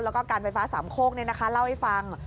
แล้วก็การไฟฟ้าสามโคกเล่าให้ฟัง